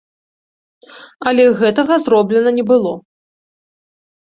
Але гэтага зроблена не было.